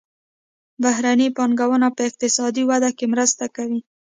بهرنۍ پانګونه په اقتصادي وده کې مرسته کوي.